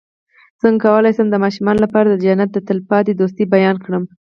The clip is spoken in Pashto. څنګه کولی شم د ماشومانو لپاره د جنت د تل پاتې دوستۍ بیان کړم